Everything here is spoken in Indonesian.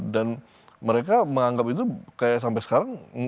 dan mereka menganggap itu kayak sampai sekarang